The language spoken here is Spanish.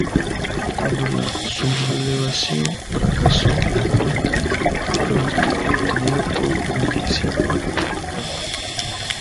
Cuando la sublevación fracasó en Cuenca, el obispo fue detenido por milicianos republicanos.